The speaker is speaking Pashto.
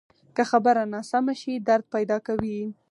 که خبره ناسمه شي، درد پیدا کوي